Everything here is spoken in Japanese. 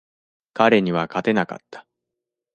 彼には勝てなかった。